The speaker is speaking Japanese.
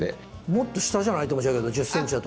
もっと下じゃないって思っちゃうけど１０ｃｍだと。